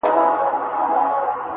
په رڼا كي يې پر زړه ځانمرگى وسي _